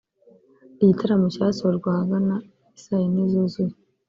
Igitaramo cyasojwe ahagana isaa yine zuzuye